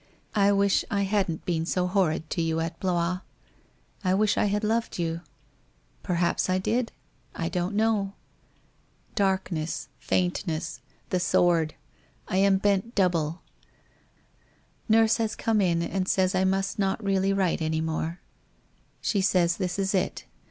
I wish I hadn't been so horrid to you at Blois. I wish I had loved you? Perhaps I did ? I don't know. Darkness — f aintness — the sword — I am bent double. Nurse has come in and says I must not really write any more She says this is it.